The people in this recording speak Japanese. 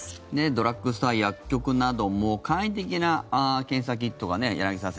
ドラッグストア薬局なども簡易的な検査キットが柳澤さん